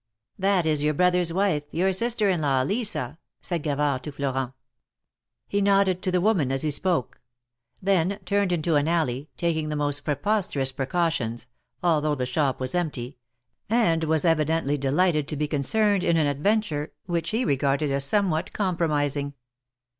*'That is your brother's wife, your sister in law, Lisa," said Gavard to Florent. He nodded to the woman as he spoke. Then turned into THE MARKETS OF PARIS. 57 an alley, taking the most preposterous precautions — although the shop was empty — and was evidently delighted to be concerned in an adventure, which he regarded as somewhat compromising.